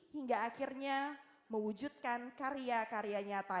hingga akhirnya mewujudkan karya karya nyata